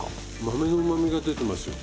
豆のうまみが出てますよ。